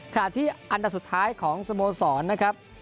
ขณะที่อันดับสุดท้ายของสโมสรนะครับ